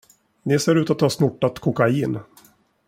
Ni ser ut att ha snortat kokain.